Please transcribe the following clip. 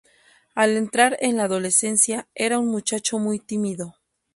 Al entrar en la adolescencia era un muchacho muy tímido.